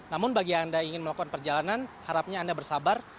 namun bagi anda yang ingin melakukan perjalanan harapnya anda bersabar